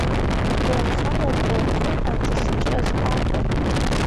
Аколнхарақәа рхы анҵысыҵәҟьаз акәын.